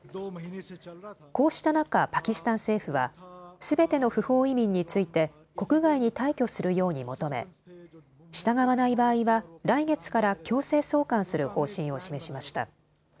こうした中、パキスタン政府はすべての不法移民について国外に退去するように求め従わない場合は来月から強制送還する方針を示しました。